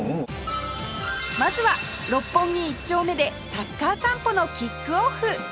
まずは六本木一丁目でサッカー散歩のキックオフ